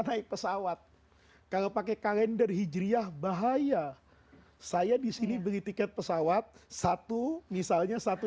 naik pesawat kalau pakai kalender hijriah bahaya saya disini beli tiket pesawat satu misalnya satu